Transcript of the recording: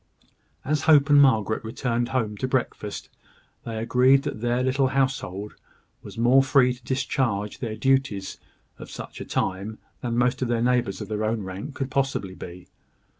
As Hope and Margaret returned home to breakfast, they agreed that their little household was more free to discharge the duties of such a time than most of their neighbours of their own rank could possibly be.